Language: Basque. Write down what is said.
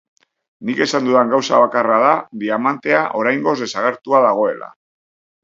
Nik esan dudan gauza bakarra da diamantea, oraingoz, desagertua dagoela.